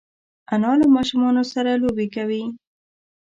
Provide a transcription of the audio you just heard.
انا له ماشومانو سره لوبې کوي